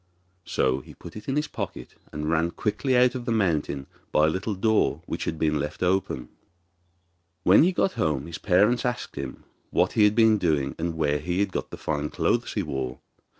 So he put it in his pocket, and ran quickly away out of the mountain by a little door which had been left open. When he got home his parents asked him what he had been doing and where he had got the fine clothes he wore.